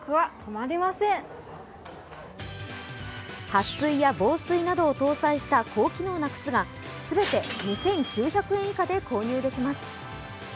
はっ水や防水などを搭載した高機能な靴が全て２９００円以下で購入できます。